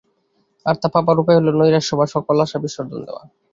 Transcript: আর তা পাবার উপায় হল নৈরাশ্য বা সকল আশা বিসর্জন দেওয়া।